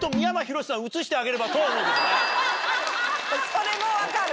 それも分かる。